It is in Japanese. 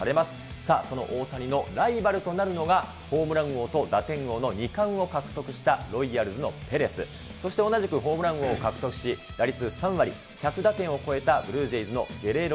さあ、その大谷のライバルとなるのが、ホームラン王と打点王の２冠を獲得したロイヤルズのペレス、そして同じくホームラン王を獲得し、打率３割、１００打点を超えたブルージェイズのゲレーロ